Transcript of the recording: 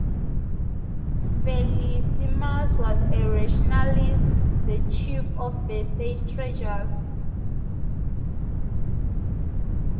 Felicissimus was a "rationalis", the chief of the state treasury.